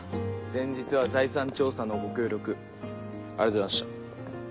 先日は財産調査のご協力ありがとうございました。